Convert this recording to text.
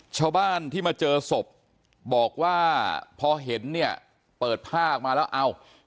ชาวบ้านที่มาเจอศพบอกว่าพอเห็นเนี่ยเปิดผ้าออกมาแล้วเอ้า